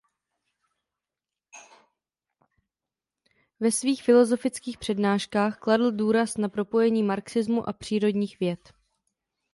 Ve svých filosofických přednáškách kladl důraz na propojení marxismu a přírodních věd.